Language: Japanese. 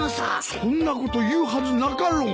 そんなこと言うはずなかろう。